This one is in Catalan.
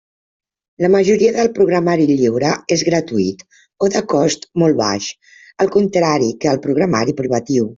La majoria del programari lliure és gratuït o de cost molt baix, al contrari que el programari privatiu.